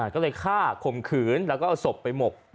ก็เลยฆ่าข่มขืนแล้วก็เอาศพไปหมก